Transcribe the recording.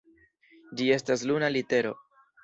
Ĝi estas luna litero.